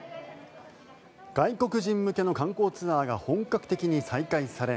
外国人向けの観光ツアーが本格的に再開され